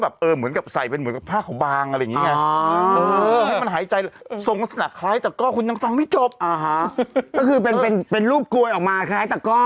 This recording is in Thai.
แบบเออเหมือนกับใส่เป็นผ้าข่าวบางอะไรแบบนี้